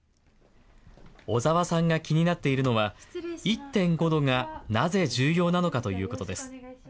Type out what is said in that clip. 小澤さんが気になっているのは、１．５度がなぜ重要なのかということです。